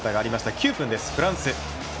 ９分、フランス。